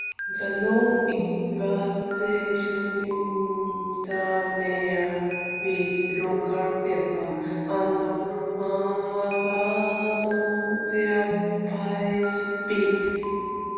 The Norse invaders intermarried with local people and abandoned their pagan beliefs.